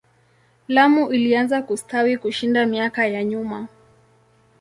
Lamu ilianza kustawi kushinda miaka ya nyuma.